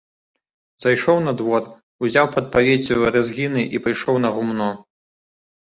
Зайшоў на двор, узяў пад павеццю рэзгіны і пайшоў на гумно.